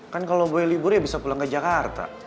kan kalo gue libur ya bisa pulang ke jakarta